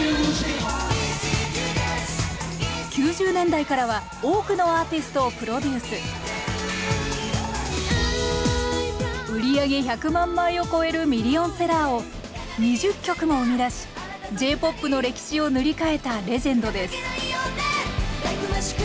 ９０年代からは多くのアーティストをプロデュース売り上げ１００万枚を超えるミリオンセラーを２０曲も生み出しＪ−ＰＯＰの歴史を塗り替えたレジェンドです